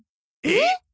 えっ？